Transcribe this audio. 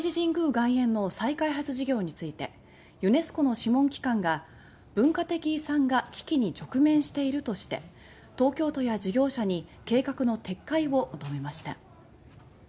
外苑の再開発事業についてユネスコの諮問機関が文化的資産が危機に直面しているとして東京都や事業者に計画の撤回を求めました。